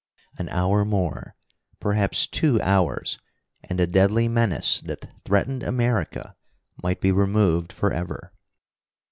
An hour more perhaps two hours, and the deadly menace that threatened America might be removed forever.